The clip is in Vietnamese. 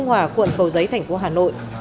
ở quận cầu giấy tp hà nội